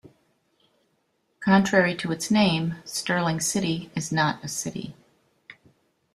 Contrary to its name, Stirling City is not a city.